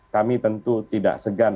kami tentu tidak segan